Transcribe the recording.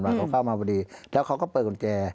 เขาเข้ามาพอดีแล้วเขาก็เปิดกุญแจ